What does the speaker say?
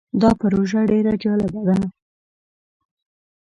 دا پروژه ډیر جالبه ده.